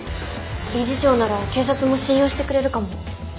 理事長なら警察も信用してくれるかも。